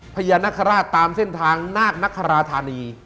พญานคระตะเต็มเส้นทางนากนคราฐานี